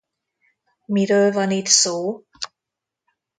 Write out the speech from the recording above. Miről van itt szó?